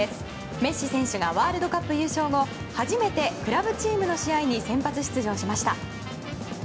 メッシ選手がワールドカップ優勝後初めてクラブチームの試合に先発出場しました。